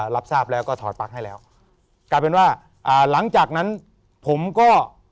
รับทราบแล้วก็ถอดปลั๊กให้แล้วกลายเป็นว่าอ่าหลังจากนั้นผมก็